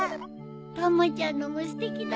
たまちゃんのもすてきだね。